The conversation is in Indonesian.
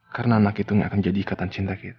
karena anak itu gak akan jadi ikatan cinta kita